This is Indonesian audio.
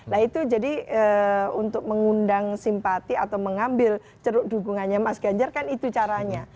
nah itu jadi untuk mengundang simpati atau mengambil ceruk dukungannya mas ganjar kan itu caranya